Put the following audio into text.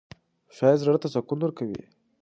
ښایست زړه ته سکون ورکوي